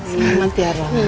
selamat ya ros